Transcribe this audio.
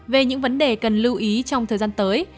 về những vấn đề cần lưu ý trong thời gian tới